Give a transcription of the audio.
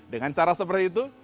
dengan cara seperti itu